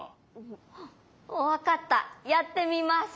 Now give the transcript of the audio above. わかったやってみます！